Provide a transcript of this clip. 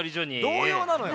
童謡なのよ。